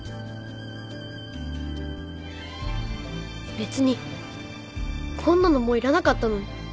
別にこんなのもういらなかったのに。